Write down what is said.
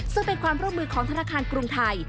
ซึ่งเป็นความร่วมมือของธนาคารกรุงไทย